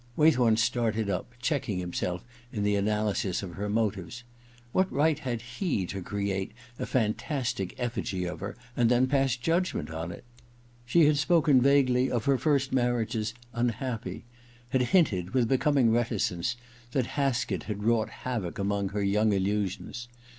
v Waythorn started up, checking himself in the analysis of her motives. What right had he to create a fantastic effigy of her and then pass judgment on it ? She had spoken vaguely of her first marriage as unhappy, had hinted, with becoming reticence, that Haskett had wrought havoc among her young illusions.